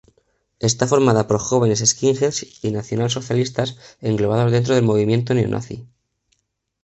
Está formada por jóvenes skinheads y nacional-socialistas englobados dentro del movimiento neonazi.